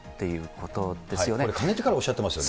これかねてからおっしゃってましたよね。